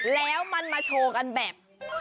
แล้วมันมาโชว์กันแบบ